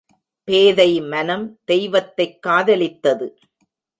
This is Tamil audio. பேதை மனம் தெய்வத்தைக் காதலித்தது.